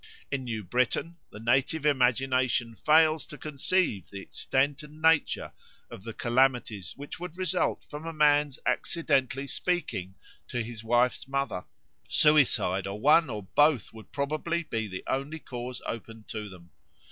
In New Britain the native imagination fails to conceive the extent and nature of the calamities which would result from a man's accidentally speaking to his wife's mother; suicide of one or both would probably be the only course open to them.